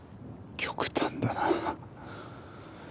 極端だな。